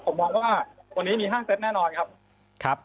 ผมมองว่าวันนี้มีห้างเซตแน่นอนครับ